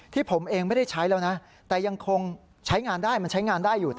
ผมเองไม่ได้ใช้แล้วนะแต่ยังคงใช้งานได้มันใช้งานได้อยู่